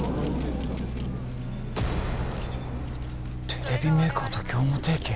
テレビメーカーと業務提携？